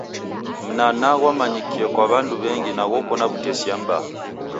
Mnanaa ghwamanyikie kwa w'andu w'engi na ghoko na wutesia m'baa.